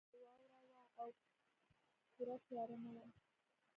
شپه شوه خو واوره وه او پوره تیاره نه وه